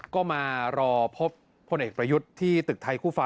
ก็มารอพบพลเอกประยุทธ์ที่ตึกไทยคู่ฟ้า